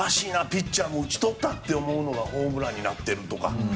ピッチャーも打ち取ったって思うのがホームランになってとか。